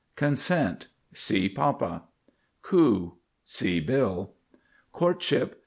CONSENT. See Papa. COO. See bill. COURTSHIP.